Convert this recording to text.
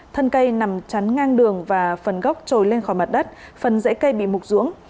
thân cây nằm trắng ngang đường và phần gốc trồi lên khỏi mặt đất phần dãy cây bị mục ruống